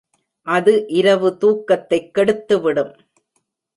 அது இரவு தூக்ததைக் கெடுத்துவிடும்.